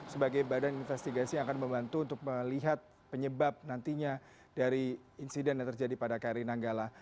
sebagai badan investigasi yang akan membantu untuk melihat penyebab nantinya dari insiden yang terjadi pada kri nanggala